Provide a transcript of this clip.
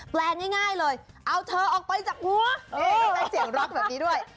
แปลงง่ายเลยเอาเธอออกไปจากหัวนี่ได้เสียงร็อกแบบนี้ด้วย